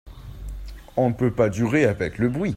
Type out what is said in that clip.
On ne peut pas durer avec le bruit.